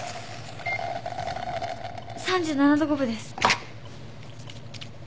３７度５分です。